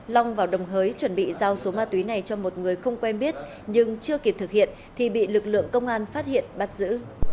long vào đồng hới chuẩn bị giao số ma túy này cho một người không quen biết nhưng chưa kịp thực hiện thì bị lực lượng công an phát hiện bắt giữ